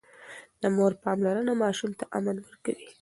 د مور پاملرنه ماشوم ته امن ورکوي.